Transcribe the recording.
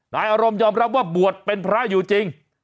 นายอารมณ์ยอมรับว่าบวชเป็นพระอยู่จริง